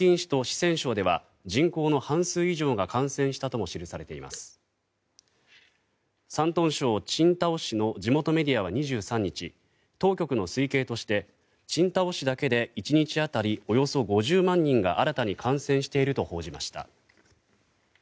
青島市の地元メディアは２３日当局の推計として青島市だけで１日当たりおよそ５０万人が新たに感染していると報じました。